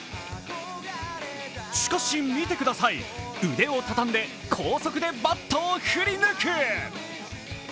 しかし見てください、腕をたたんで高速でバットを振り抜く。